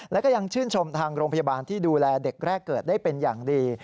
แล้วก็ยังชื่นชมทางโรงพยาบาลที่ดูแลเด็กแรกเกิดได้เป็นอย่างดี